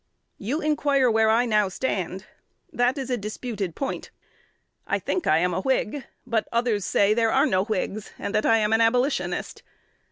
You inquire where I now stand. That is a disputed point. I think I am a Whig; but others say there are no Whigs, and that I am an Abolitionist.